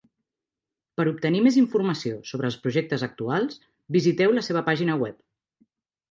Per obtenir més informació sobre els projectes actuals, visiteu la seva pàgina web.